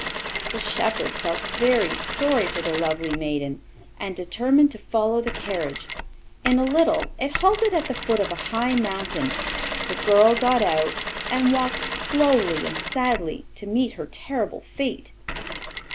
The shepherd felt very sorry for the lovely maiden, and determined to follow the carriage. In a little it halted at the foot of a high mountain. The girl got out, and walked slowly and sadly to meet her terrible fate.